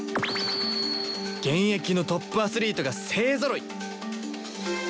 現役のトップアスリートが勢ぞろい！